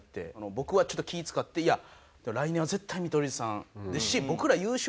僕はちょっと気ぃ使って「来年は絶対見取り図さんですし僕ら優勝は運です」。